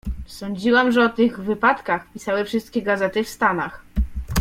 "Sądziłam, że o tych wypadkach pisały wszystkie gazety w Stanach."